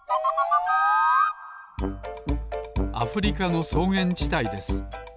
アフリカのそうげんちたいです。